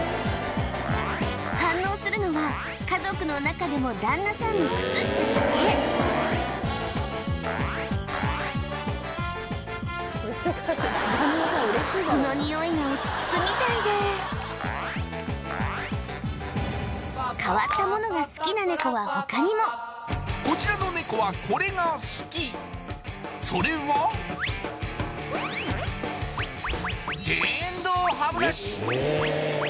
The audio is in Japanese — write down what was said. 反応するのは家族の中でも旦那さんの靴下だけこのニオイが落ち着くみたいで変わったものが好きなネコは他にもこちらのネコはこれが好きそれはえ